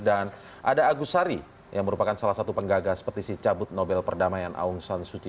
dan ada agus sari yang merupakan salah satu penggagas petisi cabut nobel perdamaian aung san suu kyi